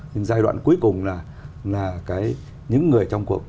nhưng giai đoạn cuối cùng là những người trong cuộc